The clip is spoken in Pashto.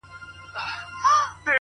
پر تېر سوى دئ ناورين د زورورو!!